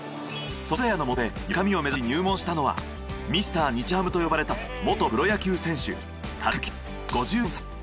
その菅谷の元へより高みを目指し入門したのはミスター日ハムと呼ばれた元プロ野球選手田中幸雄５４歳。